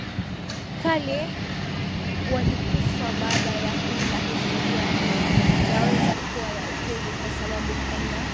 kale walikufa baada ya kuila Historia hiyo yaweza kuwa ya ukweli kwa sababu aina